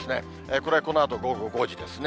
これはこのあと午後５時ですね。